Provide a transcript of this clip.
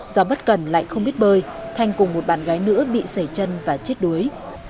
do bất cần lại không biết bơi thanh cùng một bạn gái nữa bị sẩy chân và chết đuối